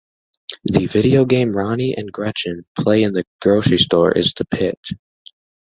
The videogame Ronny and Gretchen play in the grocery store is The Pit.